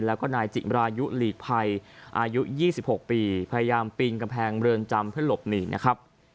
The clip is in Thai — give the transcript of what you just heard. แล้วก็นายจิมรายุหลีกภัยอายุ๒๖ปีพยายามปีนกำแพงเรือนจำเพื่อหลบหนีนะครับ